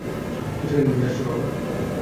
দুই সেকেন্ডের মধ্যে আসছি, বাবা!